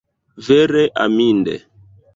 Vere aminde!